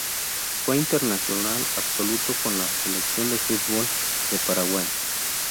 Fue internacional absoluto con la Selección de fútbol de Paraguay.